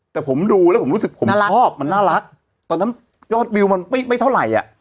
แต่ผมดูแล้วผมรู้สึกผมชอบมันน่ารักตอนนั้นยอดวิวมันไม่เท่าไหร่อ่ะ